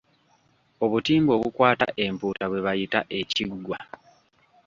Obutimba obukwata empuuta bwe bayita ekiggwa.